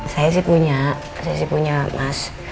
saya sih punya saya sih punya mas